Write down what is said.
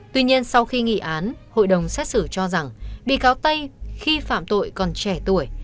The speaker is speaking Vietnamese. tuy nhiên sau khi nghị án hội đồng xét xử cho rằng bị cáo tây khi phạm tội còn trẻ tuổi